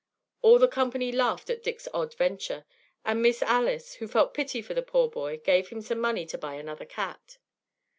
All the company laughed at Dick's odd venture; and Miss Alice, who felt pity for the poor boy, gave him some money to buy another cat.